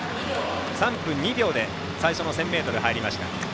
３分２秒で最初の１０００ｍ入りました。